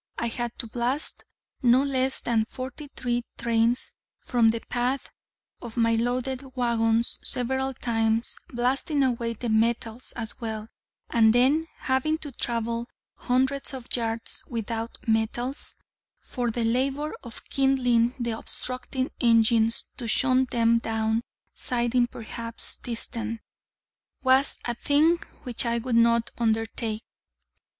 I had to blast no less than forty three trains from the path of my loaded wagons, several times blasting away the metals as well, and then having to travel hundreds of yards without metals: for the labour of kindling the obstructing engines, to shunt them down sidings perhaps distant, was a thing which I would not undertake.